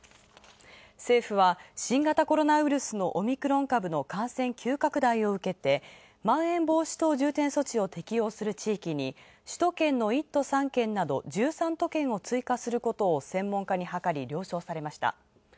政府は新型コロナウイルスのオミクロン株の感染急拡大を受けてまん延防止等重点措置を適用する地域に首都圏の１都３県など１３都県を追加することを専門家にはかり了承された。